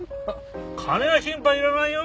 金は心配いらないよ。